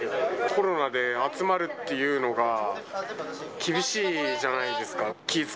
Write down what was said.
コロナで集まるっていうのが、厳しいじゃないですか。